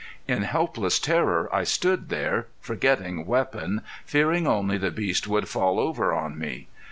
In helpless terror I stood there forgetting weapon, fearing only the beast would fall over on me.